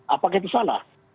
apakah itu salah